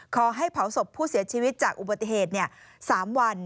ขอให้เผาศพผู้เสียชีวิตจากอุบัติเหตุ๓วัน